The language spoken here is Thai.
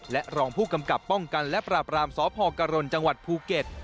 และรองผู้กำกับป้องกันและปราบรามสพกรณจังหวัดภูเก็ต